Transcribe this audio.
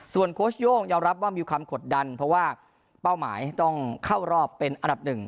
โค้ชโย่งยอมรับว่ามีความกดดันเพราะว่าเป้าหมายต้องเข้ารอบเป็นอันดับหนึ่ง